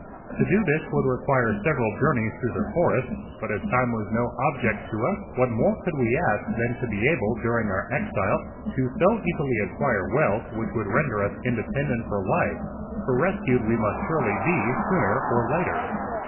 To do this would require several journeys through the forest; but as time was no object to us, what more could we ask than to be able, during our exile, to so easily acquire wealth which would render us independent for life; for rescued we must surely be, sooner or later.